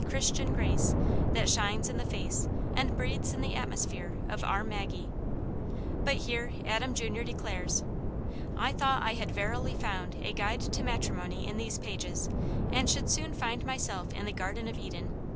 Christian grace that shines in the face and breathes iii the atmosphere of " our Maggie !" But here Adam Jr. declares, "I thought I had verily found a guide to matrimony in these pages, and Aunt Jane's Hero. 261 should soon find myself in the Garden of Eden.